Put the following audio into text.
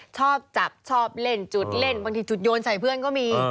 ชอบจับชอบเล่นจุดเล่นบางทีจุดโยนใส่เพื่อนก็มี